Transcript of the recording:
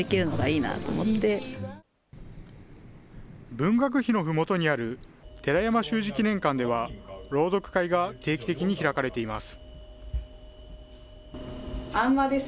文学碑のふもとにある寺山修司記念館では、朗読会が定期的に開かれています。